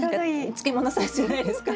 漬物サイズじゃないですか？